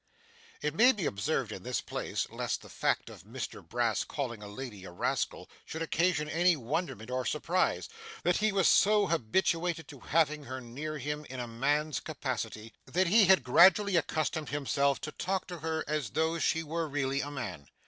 It may be observed in this place, lest the fact of Mr Brass calling a lady a rascal, should occasion any wonderment or surprise, that he was so habituated to having her near him in a man's capacity, that he had gradually accustomed himself to talk to her as though she were really a man.